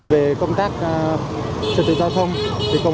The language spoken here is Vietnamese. về công tác trật tự giao thông